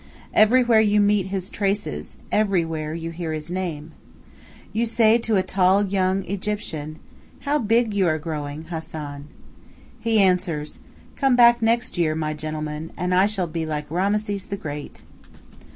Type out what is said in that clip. Everywhere you meet his traces, everywhere you hear his name. You say to a tall young Egyptian: "How big you are growing, Hassan!" He answers, "Come back next year, my gentleman, and I shall be like Rameses the Great."